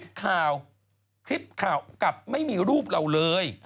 ข่าวคลิปข่าวกลับไม่มีรูปเราเลย